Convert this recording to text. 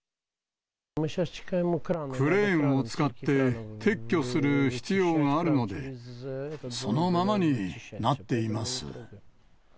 クレーンを使って撤去する必要があるので、そのままになっています。